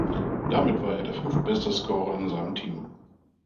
Damit war er der fünftbeste Scorer in seinem Team.